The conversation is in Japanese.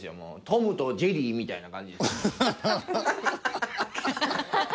「トムとジェリー」みたいな感じです